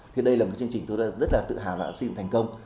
thì đây là một chương trình tôi rất là tự hào là xây dựng thành công